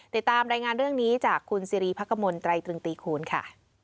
ติดตามรายงานเรื่องนี้จากคุณสิริพักกมลตรายตรึงตีคูณค่ะ